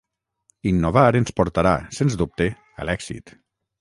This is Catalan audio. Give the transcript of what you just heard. Innovar ens portarà, sens dubte, a l’èxit.